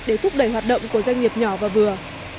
để thúc đẩy hoạt động của doanh nghiệp nhỏ và vừa